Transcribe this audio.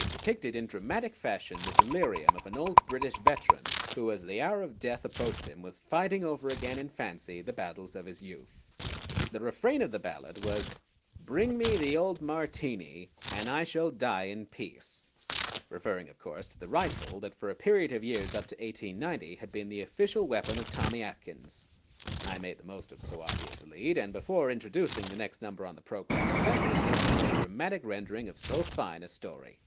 It depicted in dramatic fashion the delirium of an old British veteran, who, as the hour of death approached him, was fighting over again in fancy the battles of his youth. The refrain of the ballad was Bring me the old Martini, and I shall die in peace! referring of course to the rifle that for a period of years up to 1890 had been the official weapon of Tommy Atkins. I made the most of so obvious a lead, and before introducing the next number on the program thanked the singer for his dramatic rendering of so fine a story.